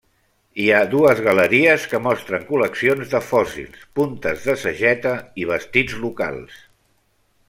Hi ha dues galeries que mostren col·leccions de fòssils, puntes de sageta i vestits locals.